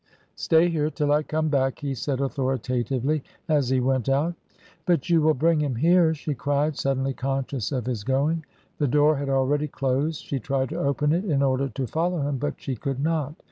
"Stay here till I come back," he said, authoritatively, as he went out. "But you will bring him here?" she cried, suddenly conscious of his going. The door had already closed. She tried to open it, in order to follow him, but she could not.